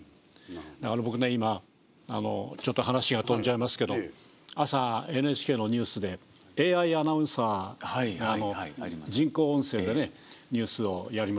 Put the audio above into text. だから僕ね今ちょっと話が飛んじゃいますけど朝ＮＨＫのニュースでＡＩアナウンサー人工音声でニュースをやりますよね。